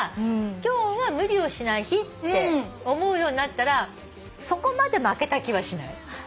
今日は無理をしない日って思うようになったらそこまで負けた気はしない。